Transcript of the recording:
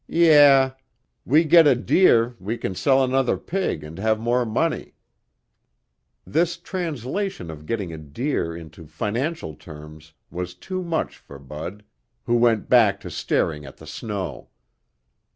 "Yeah. We get a deer we can sell another pig and have more money." This translation of getting a deer into financial terms was too much for Bud, who went back to staring at the snow.